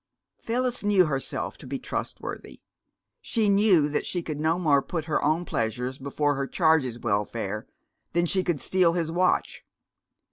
Phyllis knew herself to be trustworthy. She knew that she could no more put her own pleasures before her charge's welfare than she could steal his watch.